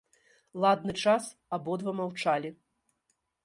Ладны час абодва маўчалі.